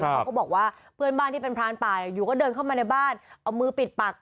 เขาก็บอกว่าเพื่อนบ้านที่เป็นพรานป่าอยู่ก็เดินเข้ามาในบ้านเอามือปิดปาก